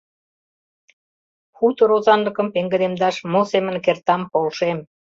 Хутор озанлыкым пеҥгыдемдаш мо семын кертам, полшем.